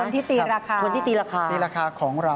คนที่ตีราคาตีราคาของเรา